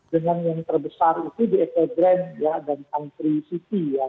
dengan yang terbesar itu di ekebren ya dan country city ya